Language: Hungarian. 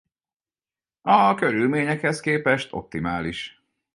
A körülményekhez képest optimális.